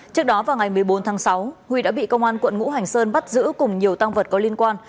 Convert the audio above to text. trước đó vào ngày một mươi bốn tháng sáu huy đã bị công an quận ngũ hành sơn bắt giữ cùng nhiều tăng vật có liên quan